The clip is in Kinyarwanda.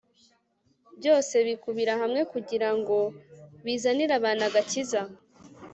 byose bikubira hamwe kugira ngo bizanirabantu agakiza